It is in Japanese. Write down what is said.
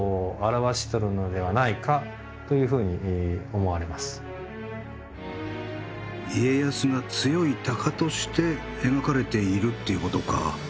大坂の陣の頃の家康が強い鷹として描かれているっていうことか。